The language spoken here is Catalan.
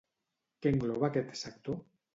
Què engloba aquest sector?